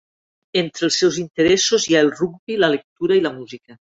Entre els seus interessos hi ha el rugbi, la lectura i la música.